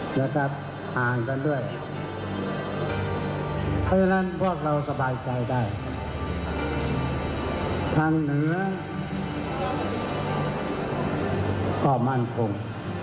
เพราะฉะนั้นพวกเราสบายใจได้ทางเหนือก็มั่นคง